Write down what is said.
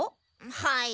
はい。